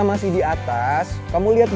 habis itu yo